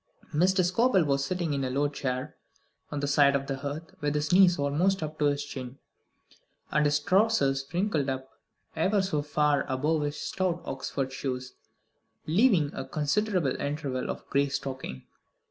Mr. Scobel was sitting in a low chair on the other side of the hearth, with his knees almost up to his chin and his trousers wrinkled up ever so far above his stout Oxford shoes, leaving a considerable interval of gray stocking.